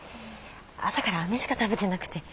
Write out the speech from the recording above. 朝からあめしか食べてなくて。